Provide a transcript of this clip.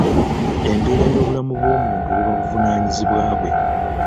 Embeera y'obulamu bw'omuntu buba buvunaanyizibwa bwe.